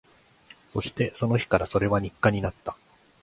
そして、その日からそれは日課になった